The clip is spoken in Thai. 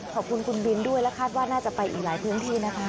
ขอบคุณคุณบินด้วยและคาดว่าน่าจะไปอีกหลายพื้นที่นะคะ